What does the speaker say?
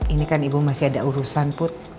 ini kan ibu masih ada urusan put